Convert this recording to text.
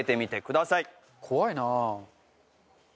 怖いなあ。